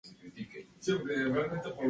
Esta edición fue muy particular.